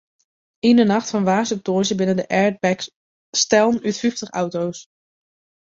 Yn de nacht fan woansdei op tongersdei binne de airbags stellen út fyftich auto's.